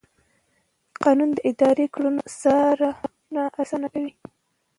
قانون د اداري کړنو څارنه اسانه کوي.